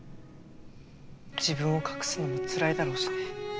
自分を隠すのもつらいだろうしね。